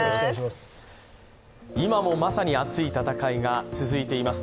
今もまさに熱い戦いが続いています